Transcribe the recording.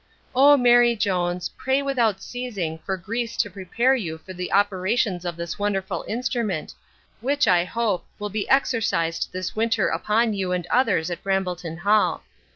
O Mary Jones, pray without seizing for grease to prepare you for the operations of this wonderful instrument, which, I hope, will be exorcised this winter upon you and others at Brambleton hall.